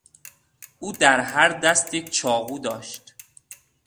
او در هر دست یک چاقو داشت.